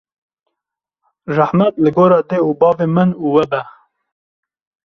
rehmet li gora dê û bavên min û we bû